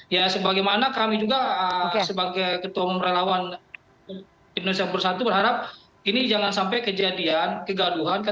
ya sebagaimana kami juga sebagai ketua relawan indonesia bersatu berharap ini jangan sampai kejadian kegaduhan